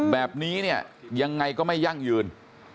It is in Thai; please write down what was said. แบบนี้ยังไงก็ไม่ยั่งยืน